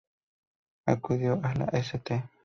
Acudió a la "St.